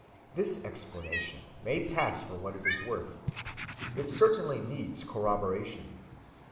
(90) This explanation may pass for what it is worth—it certainly needs corroboration.